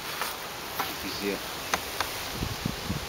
Gziɣ-k.